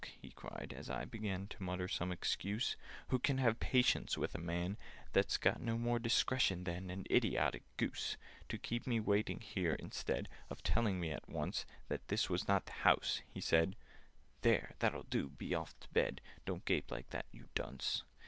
he cried, as I began To mutter some excuse. "Who can have patience with a man That's got no more discretion than An idiotic goose? [Picture: To walk four miles through mud and rain] "To keep me waiting here, instead Of telling me at once That this was not the house!" he said. "There, that'll do—be off to bed! Don't gape like that, you dunce!"